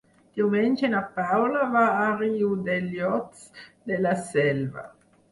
Diumenge na Paula va a Riudellots de la Selva.